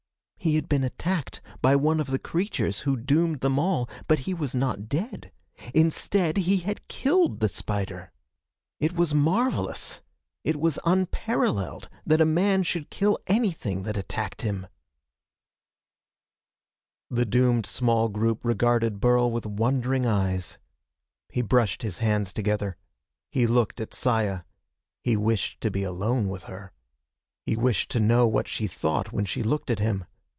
He had been attacked by one of the creatures who doomed them all, but he was not dead! Instead, he had killed the spider! It was marvelous! It was unparalleled that a man should kill anything that attacked him! The doomed small group regarded Burl with wondering eyes. He brushed his hands together. He looked at Saya. He wished to be alone with her. He wished to know what she thought when she looked at him.